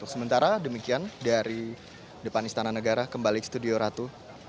sementara demikian dari depan istana negara kembali ke studio ratu